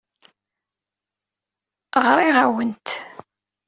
Ɣriɣ-awent.